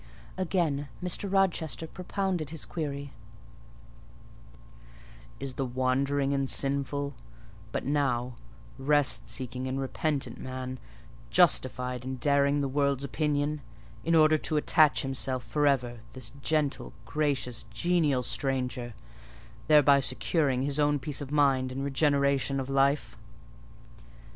Again Mr. Rochester propounded his query: "Is the wandering and sinful, but now rest seeking and repentant, man justified in daring the world's opinion, in order to attach to him for ever this gentle, gracious, genial stranger, thereby securing his own peace of mind and regeneration of life?"